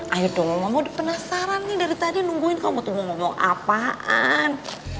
ayo dong mama udah penasaran nih dari tadi nungguin kamu tuh mau ngomong apaan